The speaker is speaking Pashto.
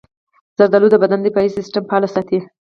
زردالو د بدن دفاعي سستم فعال ساتي.